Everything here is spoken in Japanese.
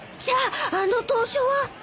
じゃああの投書は。